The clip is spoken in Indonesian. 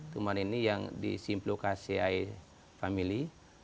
tumbuhan ini yang di simplokaceae family